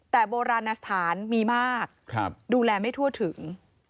แต่โบราณสถานมีมากดูแลไม่ทั่วถึง